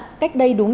thưa quý vị và các bạn